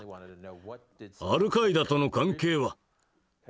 「アルカイダとの関係は？